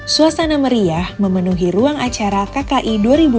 suasana meriah memenuhi ruang acara kki dua ribu dua puluh